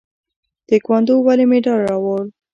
تکواندو ولې مډال راوړ؟